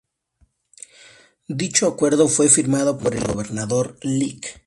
Dicho acuerdo fue firmado por el Gobernador Lic.